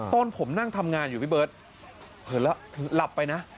ตอนผมนั่งทำงานอยู่พี่เบิร์ตเห็นแล้วหลับไปนะ